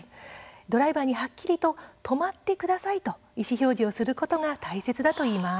ドライバーにはっきりと止まってくださいと意思表示をすることが大切だといいます。